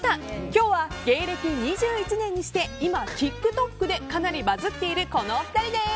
今日は芸歴２１年にして今、ＴｉｋＴｏｋでかなりバズっているこのお二人です。